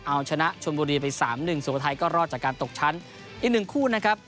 เอาชนะชนบุรีไปสามหนึ่งสุโขทัยก็รอดจากการตกชั้นอีกหนึ่งคู่นะครับ